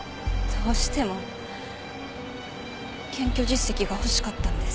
どうしても検挙実績が欲しかったんです。